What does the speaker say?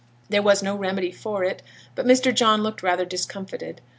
There was no remedy for it, but Mr. John looked rather discomfited.